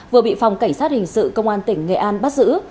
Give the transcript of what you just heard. vừa bị phòng cảnh sát hình sự công an tỉnh nghệ an bắt giữ